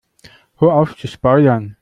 Hör auf zu spoilern!